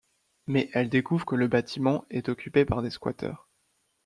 Mais elle découvre que le bâtiment est occupé par des squatteurs.